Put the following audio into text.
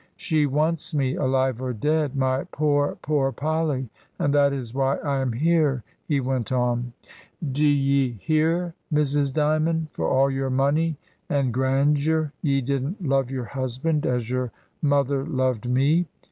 "She wants me, alive or dead, my poor, poor Polly! and that is why I am here," he went on. "D'ye i6* 244 ^^^' DYMOND. hear, Mrs. Dymond? For all your money and grandeur, ye didn't love your husband as your mother loved me.